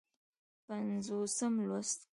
پينځوسم لوست